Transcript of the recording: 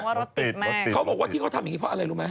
เขาบอกว่าที่เขาทำอย่างงี้เพราะอะไรรู้มั้ย